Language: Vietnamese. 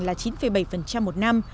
là chín bảy một năm